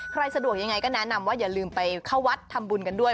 สะดวกยังไงก็แนะนำว่าอย่าลืมไปเข้าวัดทำบุญกันด้วย